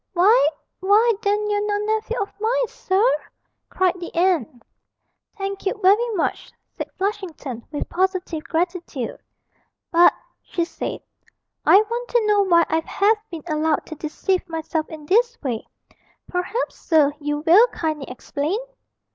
'Why why then you're no nephew of mine, sir!' cried the aunt. 'Thank you very much,' said Flushington, with positive gratitude. 'But,' she said, 'I want to know why I have been allowed to deceive myself in this way. Perhaps, sir, you will kindly explain?'